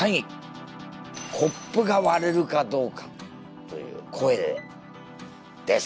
コップが割れるかどうかという声でです。